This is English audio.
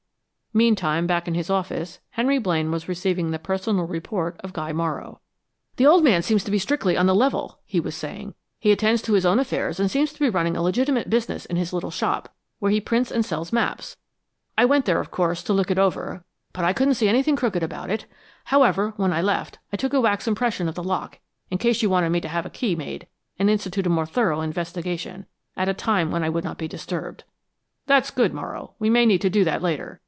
Meantime, back in his office, Henry Blaine was receiving the personal report of Guy Morrow. "The old man seems to be strictly on the level," he was saying. "He attends to his own affairs and seems to be running a legitimate business in his little shop, where he prints and sells maps. I went there, of course, to look it over, but I couldn't see anything crooked about it. However, when I left, I took a wax impression of the lock, in case you wanted me to have a key made and institute a more thorough investigation, at a time when I would not be disturbed." "That's good, Morrow. We may need to do that later.